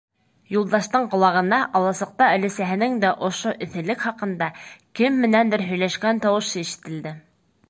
Юлдаштың ҡолағына аласыҡта өләсәһенең дә ошо эҫелек хаҡында кем менәндер һөйләшкән тауышы ишетелде.